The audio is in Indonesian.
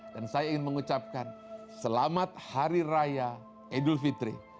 dan saya ingin mengucapkan selamat hari raya idul fitri